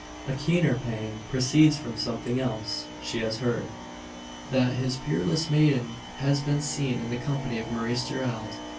A keener pang proceeds from something else she has heard: that this peerless maiden has been seen in the company of Maurice Gerald.